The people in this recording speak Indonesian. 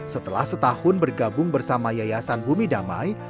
setelah setahun bergabung bersama yayasan bumi damai